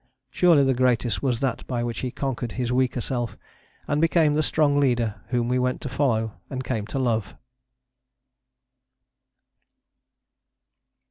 Surely the greatest was that by which he conquered his weaker self, and became the strong leader whom we went to follow and came to love.